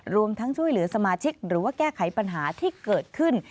รวมทั้งช่วยเหลือสมาชิกหรือว่าแก้ไขปัญหาที่เกิดขึ้น